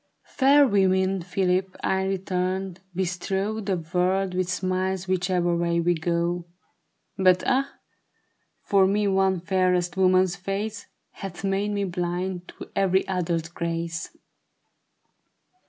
''Fair women, Philip," I returned, "bestrow The world with smiles whichever way we go ; But ah, for me one fairest woman's face Hath made me blind to ever} other's grace."